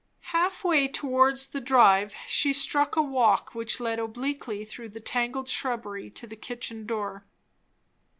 Half way towards the drive, she struck a walk which led obliquely through the tangled shrubbery to the kitchen door.